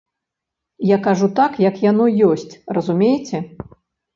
Я кажу так, як яно ёсць, разумееце?